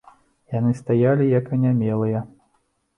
Яны стаялі як анямелыя.